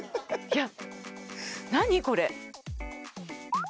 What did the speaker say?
いや何これ？